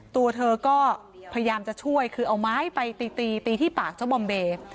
ตัวเธอก็พยายามจะช่วยคือเอาไม้ไปตีตีตีที่ปากเจ้าบอมเบย์